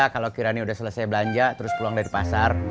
kalo kirani udah selesai belanja terus pulang dari pasar